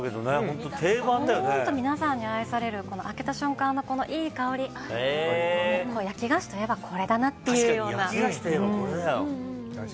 本当に皆さんに愛される開けた瞬間のいい香り、焼き菓子といえばこれだなというような。